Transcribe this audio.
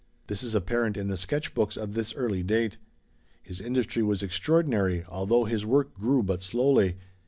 This is apparent in the sketch books of this early date. His industry was extraordinary, although his work grew but slowly.